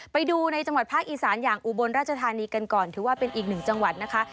ไปดูในจังหวัดภาคอีสานอย่างอุบลราชธานีกันก่อนถือว่าเป็นอีกหนึ่งจังหวัดนะคะ